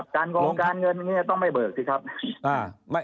การงงการเงินต้องไม่เบิกสิครับ